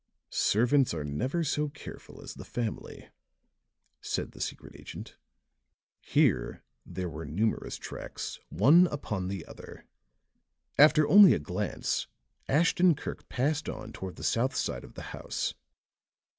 "Servants are never so careful as the family," said the secret agent. Here there were numerous tracks, one upon the other. After only a glance, Ashton Kirk passed on toward the south side of the house.